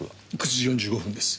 ９時４５分です。